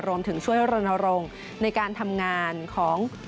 รวมถึงช่วยรณรงค์ในการทำงานของ